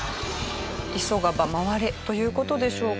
「急がば回れ」という事でしょうか。